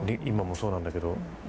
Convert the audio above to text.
今もそうなんだけど。